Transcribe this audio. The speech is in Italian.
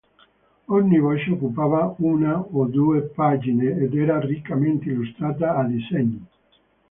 Ogni voce occupava una o due pagine ed era riccamente illustrata a disegni.